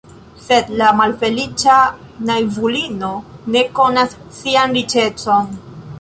Sed la malfeliĉa naivulino ne konas sian riĉecon.